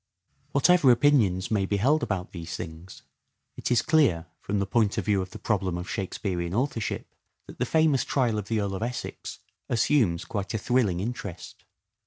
Trial of the Whatever opinions may be held about these things, Earl of Essex Qf yiew Q| thfi problem of Shakespearean authorship, that the famous trial of the Earl of Essex assumes quite a thrilling interest.